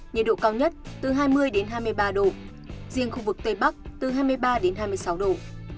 nhiệt độ cao nhất từ hai mươi hai mươi ba độ riêng khu vực tây bắc từ hai mươi ba đến hai mươi sáu độ